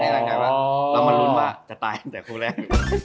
เรามารุ้นมาจะตายแต่ครุบแรก